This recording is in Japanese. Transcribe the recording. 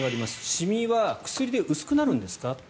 シミは薬で薄くなるんですか？